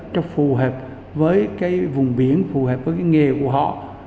cho phù hợp với cái vùng biển phù hợp với cái nghề của họ